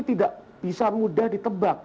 tidak bisa mudah ditebak